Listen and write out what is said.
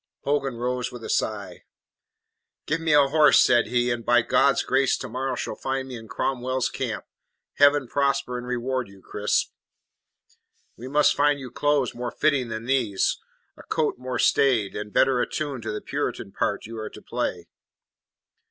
Hogan rose with a sigh. "Give me a horse," said he, "and by God's grace tomorrow shall find me in Cromwell's camp. Heaven prosper and reward you, Cris." "We must find you clothes more fitting than these a coat more staid and better attuned to the Puritan part you are to play."